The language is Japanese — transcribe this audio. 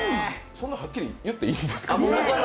そんなはっきり言っていいんですか？